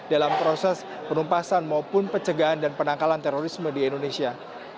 dalam proses penumpasan maupun pencegahan dan penangkalan terorisme di indonesia